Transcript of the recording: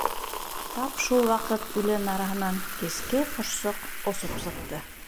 Тап шул ваҡыт үлән араһынан кескәй Ҡошсоҡ осоп сыҡты.